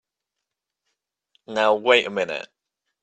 Now wait a minute!